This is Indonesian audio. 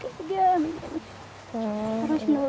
jangan ketinggalan sholat